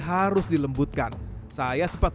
harus dilembutkan saya sempat